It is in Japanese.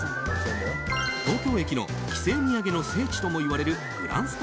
東京駅の帰省土産の聖地ともいわれるグランスタ